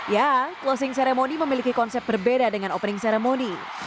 ya closing ceremony memiliki konsep berbeda dengan opening ceremony